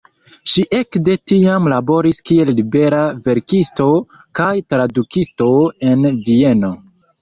Ŝi ekde tiam laboris kiel libera verkisto kaj tradukisto en Vieno.